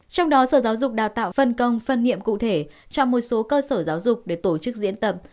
trong đó sở giáo dục đào tạo phân công phân nhiệm cụ thể cho một số cơ sở giáo dục để tổ chức diễn tập